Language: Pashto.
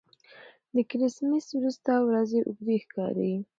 د کرېسمېس وروسته ورځې اوږدې ښکاري.